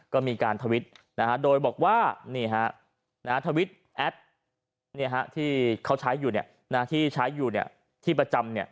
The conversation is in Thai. ก็มีการทวิตโดยบอกว่าทวิตแอดที่เขาใช้อยู่ที่ประจำ